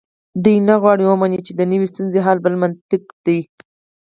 دوی نه غواړي ومني چې دنیوي ستونزو حل بل منطق ته ده.